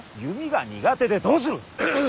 弓が苦手でどうする。